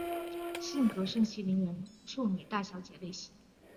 性格是盛气凌人的臭美大小姐类型。